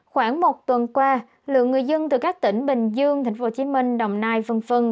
khoảng một tuần qua lượng người dân từ các tỉnh bình dương tp hcm đồng nai vân phân